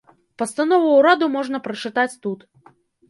Пастанову ўраду можна прачытаць тут.